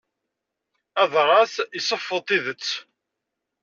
Adras iseffeḍ tidet.